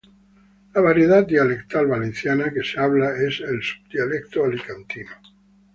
La variedad dialectal valenciana que se habla es el subdialecto alicantino.